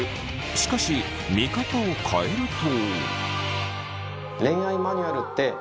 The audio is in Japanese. しかし見方を変えると。